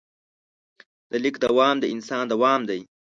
د لیک دوام د انسان دوام دی.